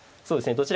そうですね。